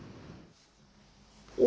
お！